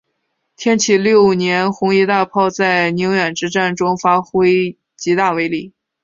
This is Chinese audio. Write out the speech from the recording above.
天启六年红夷大炮在宁远之战中发挥极大威力。